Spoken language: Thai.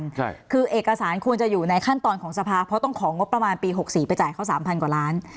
ใช่คือเอกสารควรจะอยู่ในขั้นตอนของสภาเพราะต้องของงบประมาณปีหกสี่ไปจ่ายเขาสามพันกว่าล้าน